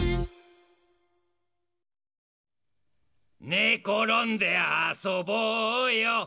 「ねころんであそぼうよ」